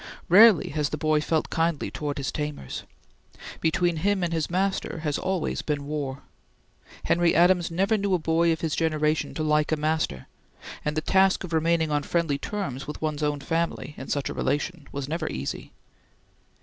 Rarely has the boy felt kindly towards his tamers. Between him and his master has always been war. Henry Adams never knew a boy of his generation to like a master, and the task of remaining on friendly terms with one's own family, in such a relation, was never easy.